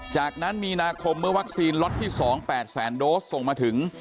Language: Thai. จากนั้นมีนาคมเมื่อวัคซีนล็อตที่๒๘แสนโดสส่งมาถึง